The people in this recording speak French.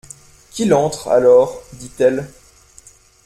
Qu'il entre, alors, dit-elle.